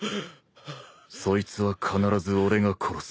そいつは必ず俺が殺す。